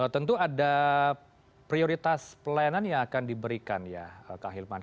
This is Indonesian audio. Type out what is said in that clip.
tentu ada prioritas pelayanan yang akan diberikan ya kak hilman